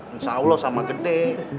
insyaallah sama gede